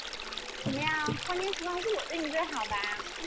近边耳蕨为鳞毛蕨科耳蕨属下的一个种。